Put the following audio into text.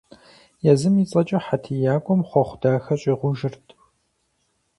Езым и цӀэкӀэ хьэтиякӀуэм хъуэхъу дахэ щӀигъужырт.